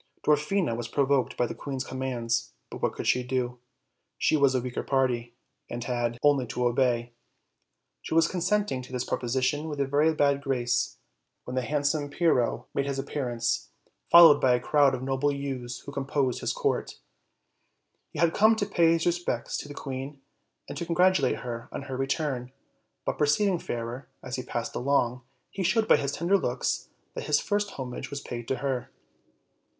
Dwarfina was provoked by the queen's commands, but what could she do? She was the \veuker party, and had OLD, OLD FAIRY TALES. 57 only to obey. She was consenting to this proposition with a very 'bad grace, when the handsome Pyrrho made his appearance, followed by a crowd of noble youths who composed his court. He had come to pay his respects to the queen, and to congratulate her on her return; but, perceiving Fairer as he passed along, he showed by his tender looks that his first homage was paid to her.